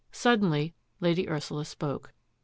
Suddenly Lady Ursula spoke.